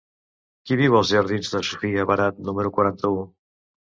Qui viu als jardins de Sofia Barat número quaranta-u?